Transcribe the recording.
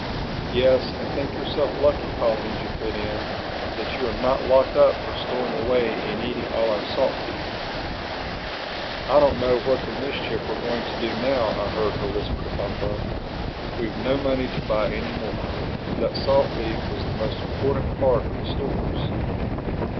"Yes, and think yourself lucky," Polynesia put in, "that you are not locked up for stowing away and eating all our salt beef." "I don't know what the mischief we're going to do now," I heard her whisper to Bumpo. "We've no money to buy any more; and that salt beef was the most important part of the stores."